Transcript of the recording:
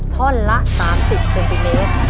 ท่อนละ๓๐เซนติเมตร